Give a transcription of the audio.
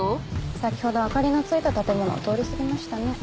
先ほど明かりのついた建物を通り過ぎましたね。